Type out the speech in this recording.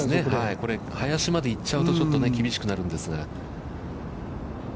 これ林まで行っちゃうと厳しくなるんですが。